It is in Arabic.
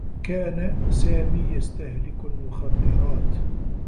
كان سامي يستهلك المخدّرات.